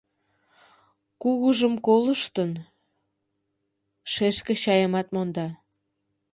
Кугыжым колыштын, шешке чайымат монда.